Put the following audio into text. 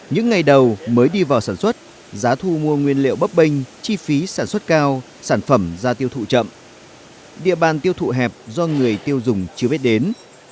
những ngày đầu mới đi vào sản xuất giá thu mua nguyên liệu bấp bênh chi phí sản xuất cao sản phẩm ra tiêu thụ chậm địa bàn tiêu thụ hẹp do người tiêu dùng chưa biết đến